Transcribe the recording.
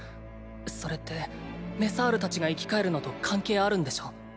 それってメサールたちが生き返るのと関係あるんでしょ？